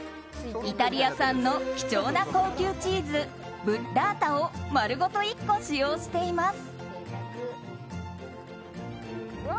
イタリア産の貴重な高級チーズブッラータを丸ごと１個使用しています。